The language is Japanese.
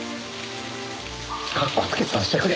かっこつけさせてくれ。